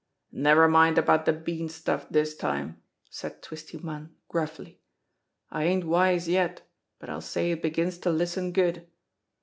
"Never mind about de bean stuff dis time," said Twisty Munn gruffly. "I ain't wise yet, but I'll say it begins to listen good.